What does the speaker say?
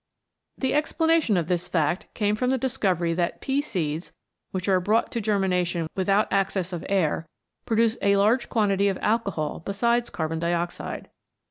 The explanation of this fact came from the discovery that pea seeds, which are brought to germination without access of air, produce a large quantity of alcohol besides carbon dioxide.